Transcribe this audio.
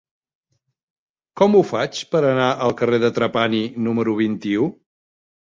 Com ho faig per anar al carrer de Trapani número vint-i-u?